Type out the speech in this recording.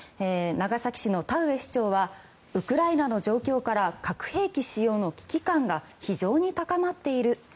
長崎市の田上市長はウクライナの状況から核兵器使用の危機感が非常に高まっている。